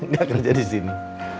gak kerja di sini